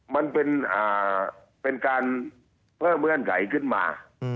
มันเป็นการเพิ่มเงื่อนไขขึ้นมา